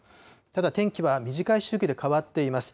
ただ、天気は短い周期で変わっています。